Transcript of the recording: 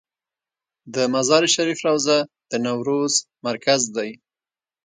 د مزار شریف روضه د نوروز مرکز دی